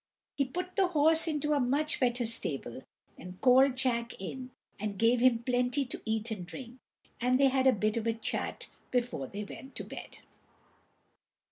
He put the horse into a much better stable, and called Jack in, and gave him plenty to eat and drink, and they had a bit of a chat before they went to bed.